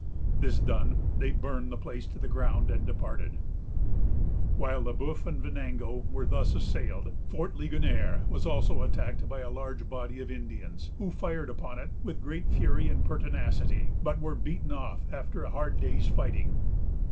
This done, they burned the place to the ground, and departed. While Le Bœuf and Venango were thus assailed, Fort Ligonier was also attacked by a large body of Indians, who fired upon it with great fury and pertinacity, but were beaten off after a hard day's fighting.